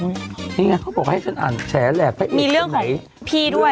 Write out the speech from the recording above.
นี่ไงเขาบอกให้ฉันอ่านแฉแหลกไปมีเรื่องของพี่ด้วย